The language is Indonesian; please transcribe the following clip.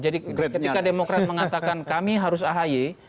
jadi ketika demokrat mengatakan kami harus ahaye